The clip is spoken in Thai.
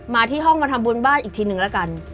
ที่ห้องมาทำบุญบ้านอีกทีหนึ่งแล้วกัน